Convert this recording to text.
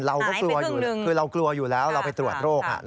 เรากลัวอยู่แล้วเราไปตรวจโรค